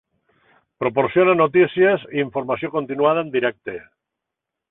Proporciona notícies i informació continuada en directe.